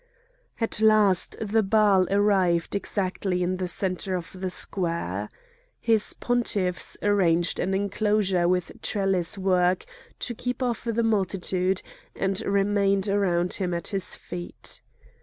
At last the Baal arrived exactly in the centre of the square. His pontiffs arranged an enclosure with trellis work to keep off the multitude, and remained around him at his feet.